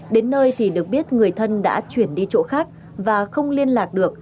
đến nơi thì được biết người thân đã chuyển đi chỗ khác và không liên lạc được